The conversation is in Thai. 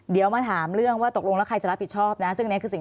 เดี๋ยวมาถามเรื่องว่าตกลงแล้วใครจะรับผิดชอบนะ